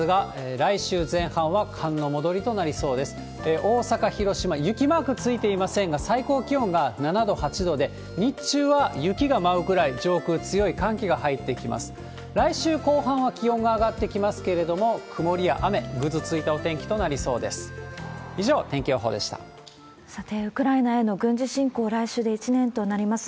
来週後半は気温が上がってきますけれども、曇りや雨、ぐずついたお天気となりそうです。